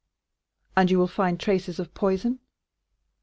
"And you will find traces of poison?"